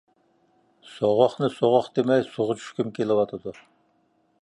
سوغۇقنى سوغۇق دېمەي سۇغا چۈشكۈم كېلىۋاتىدۇ.